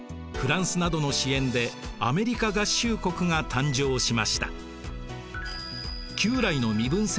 フランスなどの支援でアメリカ合衆国が誕生しました。